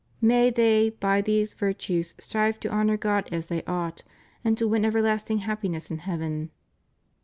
May they by these virtues strive to honor God as they ought, and to win everlasting happiness in heaven.